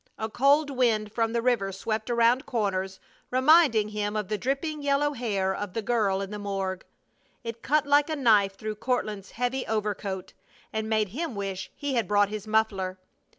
A cold wind from the river swept around corners, reminding him of the dripping yellow hair of the girl in the morgue. It cut like a knife through Courtland's heavy overcoat and made him wish he had brought his muffler.